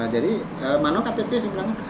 jadi mana ktp sebenarnya